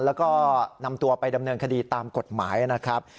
แล้วก็นำตัวไปดำเนินคดีตามกฎหมายนะครับ